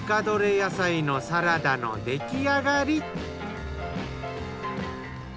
野菜のサラダの出来上がり。